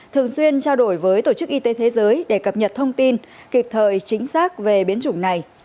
thường xuyên trao đổi với tổ chức y tế thế giới để cập nhật thông tin kịp thời chính xác về biến chủng này